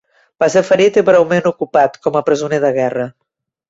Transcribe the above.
Va ser ferit i breument ocupat com a presoner de guerra.